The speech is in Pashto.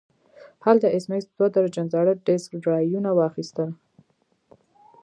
هلته ایس میکس دوه درجن زاړه ډیسک ډرایوونه واخیستل